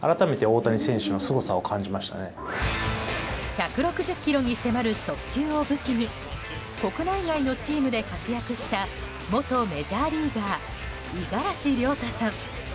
１６０キロに迫る速球を武器に国内外のチームで活躍した元メジャーリーガー五十嵐亮太さん。